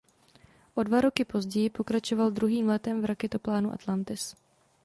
O dva roky později pokračoval druhým letem v raketoplánu Atlantis.